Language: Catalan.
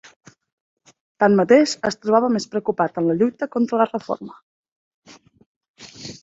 Tanmateix, es trobava més preocupat en la lluita contra la Reforma.